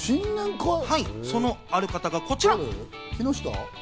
そのある方がこちら！